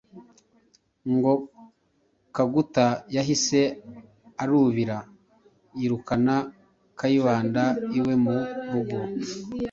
Ngo Kaguta yahise arubira yirukana Kayibanda iwe mu rugo,